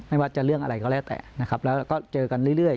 ไม่ว่าจะเรื่องอะไรก็แล้วแต่นะครับแล้วก็เจอกันเรื่อย